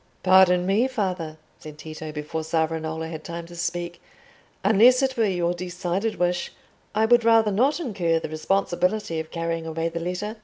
"Pardon me, father," said Tito, before Savonarola had time to speak, "unless it were your decided wish, I would rather not incur the responsibility of carrying away the letter.